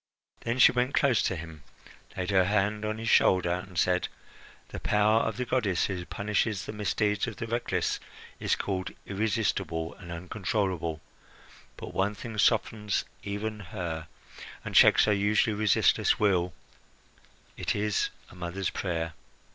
Then she went close to him, laid her hand on his shoulder, and said: "The power of the goddess who punishes the misdeeds of the reckless is called irresistible and uncontrollable; but one thing softens even her, and checks her usually resistless wheel: it is a mother's prayer.